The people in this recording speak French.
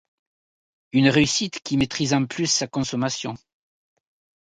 Une réussite, qui maîtrise en plus sa consommation.